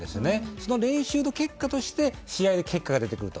その練習の結果として試合の結果が出てくると。